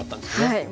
はい。